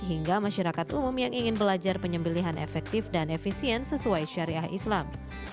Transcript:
hingga masyarakat umum yang ingin belajar penyembelian efektif dan efisien sesuai syariah islam